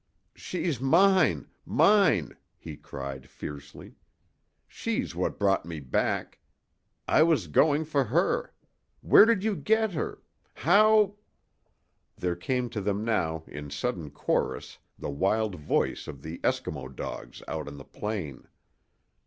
"She's mine mine!" he cried, fiercely. "She's what brought me back! I was going for her! Where did you get her? How " There came to them now in sudden chorus the wild voice of the Eskimo dogs out on the plain.